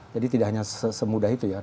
jadi tidak hanya semudah itu ya